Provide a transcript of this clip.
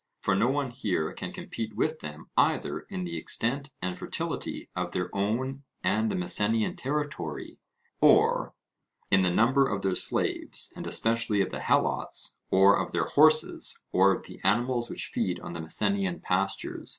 For no one here can compete with them either in the extent and fertility of their own and the Messenian territory, or in the number of their slaves, and especially of the Helots, or of their horses, or of the animals which feed on the Messenian pastures.